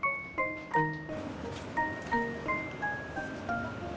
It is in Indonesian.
oh berapa banyak